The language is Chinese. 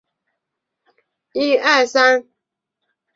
主薄一至二人。